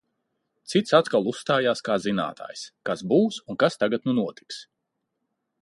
Cits atkal uzstājās kā zinātājs, kas būs un kas tad tagad nu notiks.